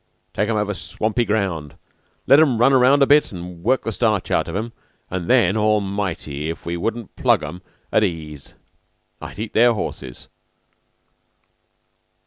"Take 'em over swampy ground. Let 'em run around a bit an' work the starch out of 'em, an' then, Almighty, if we wouldn't plug 'em at ease I'd eat their horses."